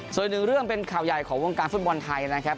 ส่วนหนึ่งเรื่องเป็นข่าวใหญ่ของวงการฟุตบอลไทยนะครับ